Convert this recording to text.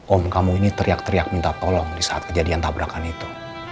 om kamu ini teriak teriak minta tolong di saat kejadian tabrakan itu